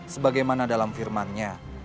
sebagaimana dalam firmannya